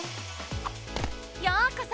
ようこそ！